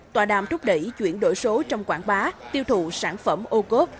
tòa đàm rút đẩy chuyển đổi số trong quảng bá tiêu thụ sản phẩm ô cốt